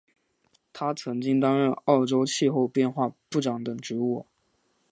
他曾经担任澳洲气候变化部长等职务。